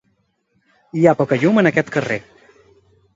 Hi ha poca llum en aquest carrer.